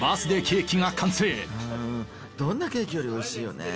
どんなケーキよりおいしいよね。